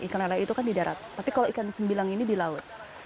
ikan lele itu kan di darat tapi kalau ikan sembilang ini di laut